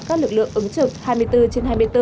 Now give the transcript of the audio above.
các lực lượng ứng trực hai mươi bốn trên hai mươi bốn